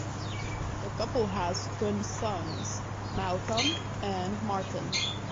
The couple has twin sons, Malcolm and Martin.